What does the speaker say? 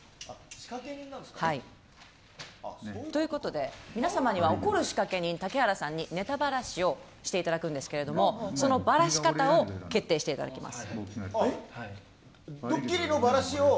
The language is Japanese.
ということでで皆さまに怒る仕掛け人、竹原さんにネタばらしをしていただくんですけれどもそのばらし方を決定していただきます。